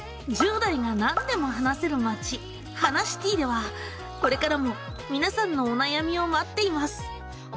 「１０代がなんでも話せる街ハナシティ」ではこれからもみなさんのお悩みを待っています。